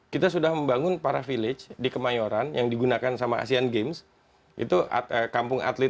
kita sudah membangun para village di kemayoran yang digunakan sama asean games itu kampung atlet